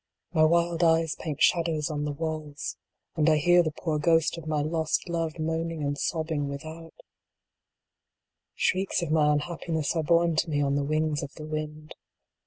My wild eyes paint shadows on the walls. And I hear the poor ghost of my lost love moaning and sobbing without Shrieks of my unhappiness are borne to me on the wings of the wind.